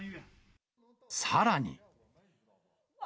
さらに。